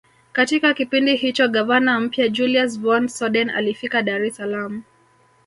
Katika kipindi hicho gavana mpya Julius von Soden alifika Dar es salaam